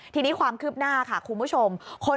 ทีนี้ความคืบหน้าค่ะคุณผู้ชม